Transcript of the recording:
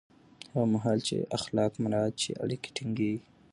هغه مهال چې اخلاق مراعت شي، اړیکې ټینګېږي.